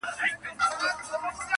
قتلول به یې مظلوم خلک بېځایه-